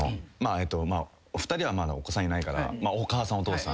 お二人はまだお子さんいないからお母さんお父さん。